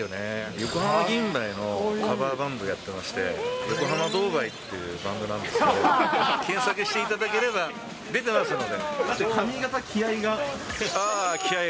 横浜銀蝿のカバーバンドやってまして、横浜銅蝿っていうバンドなんですけど、検索していただければ出てますので。